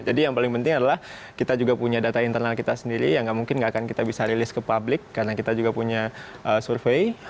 jadi yang paling penting adalah kita juga punya data internal kita sendiri yang enggak mungkin enggak akan kita bisa rilis ke publik karena kita juga punya survei